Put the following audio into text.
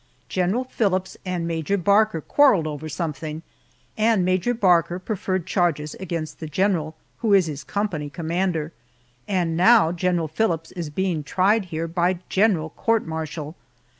General Phillips and Major Barker quarreled over something, and Major Barker preferred charges against the general, who is his company commander, and now General Phillips is being tried here by general court martial.